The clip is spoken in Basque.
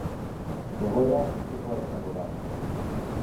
Egoera antzekoa izango da.